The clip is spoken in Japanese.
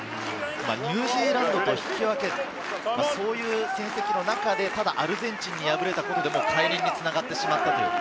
ニュージーランドと引き分ける、そういう戦績の中でアルゼンチンに敗れたことで解任につながってしまった。